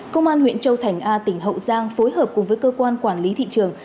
công an huyện châu thành a tỉnh hậu giang phối hợp cùng với cơ quan quản lý thị trường